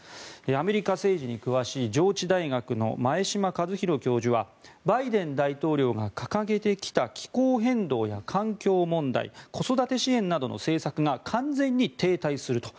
アメリカ政治に詳しい上智大学の前嶋和弘教授はバイデン大統領が掲げてきた気候変動や環境問題子育て支援などの政策が完全に停滞すると。